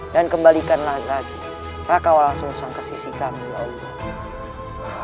dan kembalikanlah lagi raka walang susang ke sisi kami ya allah